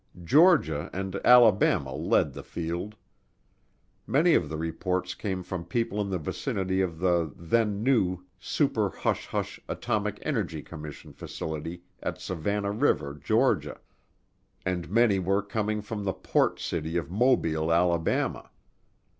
Georgia and Alabama led the field. Many of the reports came from people in the vicinity of the then new super hush hush Atomic Energy Commission facility at Savannah River, Georgia. And many were coming from the port city of Mobile, Alabama.